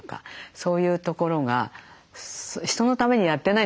そういうところが人のためにやってないんですよね。